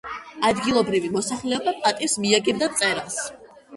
ადგილობრივი მოსახლეობა პატივს მიაგებდა მწერალს.